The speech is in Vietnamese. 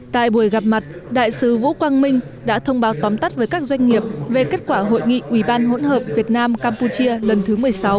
tại buổi gặp mặt đại sứ vũ quang minh đã thông báo tóm tắt với các doanh nghiệp về kết quả hội nghị ubhv campuchia lần thứ một mươi sáu